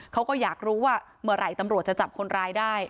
เขาก็อยากรู้ว่าเมื่อไหร่ตำรวจจะจับคนร้ายได้